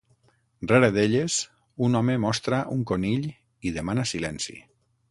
Rere d'elles, un home mostra un conill i demana silenci.